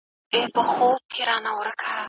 کتابتون څېړنه یوه علمي طریقه ده.